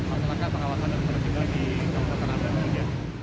untuk melakukan pengawasan dan perjalanan di tanah abang